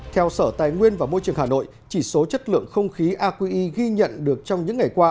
theo sở tài nguyên và môi trường hà nội chỉ số chất lượng không khí aqi ghi nhận được trong những ngày qua